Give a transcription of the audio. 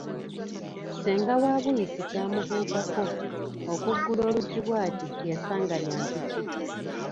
Senga wa Buyisi kyamubuukako, okuggula oluggi bw'ati yasanga lya mpiki!